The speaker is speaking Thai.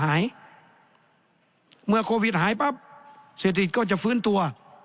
เมื่อโควิดหายปั๊บเศรษฐกิจก็จะฟื้นตัว